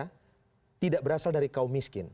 karena mereka tidak berasal dari kaum miskin